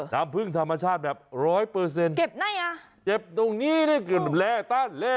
น้ำพึ่งธรรมชาติแบบร้อยเปอร์เซ็นต์